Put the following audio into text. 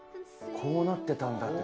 こうなってたんだって。